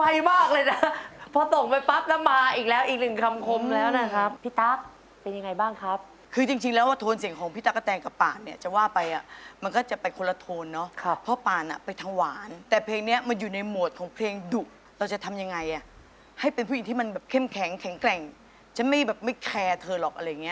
มากเลยนะพอตกไปปั๊บแล้วมาอีกแล้วอีกหนึ่งคำคมแล้วนะครับพี่ตั๊กเป็นยังไงบ้างครับคือจริงแล้วว่าโทนเสียงของพี่ตั๊กกะแตนกับป่านเนี่ยจะว่าไปอ่ะมันก็จะไปคนละโทนเนาะพ่อปานอ่ะไปถวายหวานแต่เพลงเนี้ยมันอยู่ในโหมดของเพลงดุเราจะทำยังไงอ่ะให้เป็นผู้หญิงที่มันแบบเข้มแข็งแข็งแกร่งฉันไม่แบบไม่แคร์เธอหรอกอะไรอย่างเง